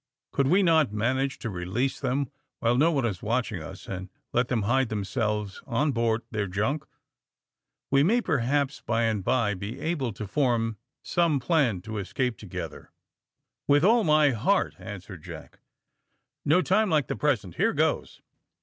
Could we not manage to release them while no one is watching us, and let them hide themselves on board their junk? We may, perhaps, by and by be able to form some plan to escape together." "With all my heart," answered Jack. "No time like the present. Here goes."